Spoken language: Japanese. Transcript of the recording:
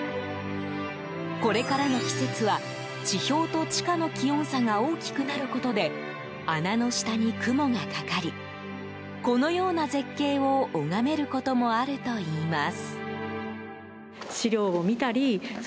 これからの季節は地表と地下の気温差が大きくなることで穴の下に雲がかかりこのような絶景を拝めることもあるといいます。